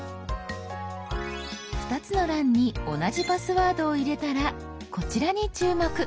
２つの欄に同じパスワードを入れたらこちらに注目！